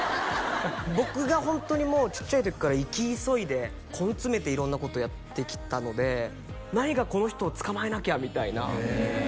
僕がホントにもうちっちゃい時から生き急いで根詰めて色んなことやってきたので何かこの人をつかまえなきゃみたいなへえ